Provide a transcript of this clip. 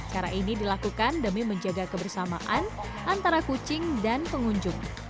cara ini dilakukan demi menjaga kebersamaan antara kucing dan pengunjung